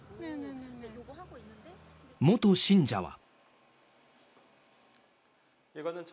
元信者は。